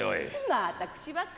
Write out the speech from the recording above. また口ばっかり。